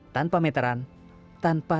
tanpa meteran tanpa tagih